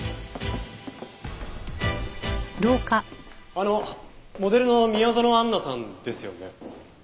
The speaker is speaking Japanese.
あのモデルの宮園アンナさんですよね。